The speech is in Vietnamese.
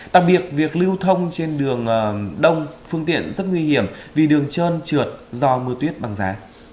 đặc biệt việc lưu thông trên đường đông phương tiện rất nguy hiểm vì đường trơn trượt do mưa tuyết băng giá